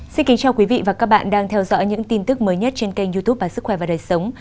xin kính chào quý vị và các bạn đang theo dõi những tin tức mới nhất trên kênh youtube và sức khỏe và đời sống